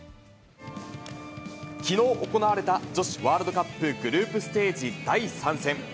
きのう行われた女子ワールドカップグループステージ第３戦。